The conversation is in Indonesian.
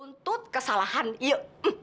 untuk kesalahan iu